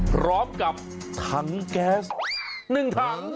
พร้อมกับถังแก๊ส๑ถัง